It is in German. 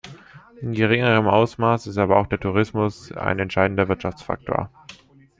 In geringerem Ausmaß ist aber auch der Tourismus ein entscheidender Wirtschaftsfaktor.